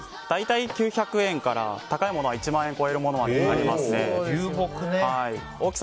大体、９００円から高いものは１万円を超えるものもあります。